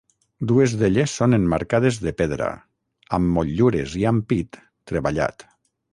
Dues d’elles són emmarcades de pedra, amb motllures i ampit treballat.